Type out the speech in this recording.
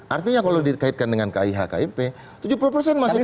artinya kalau dikaitkan dengan kih kmp tujuh puluh persen masih kmp